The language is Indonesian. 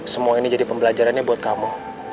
semua ini jadi pembelajarannya buat kamu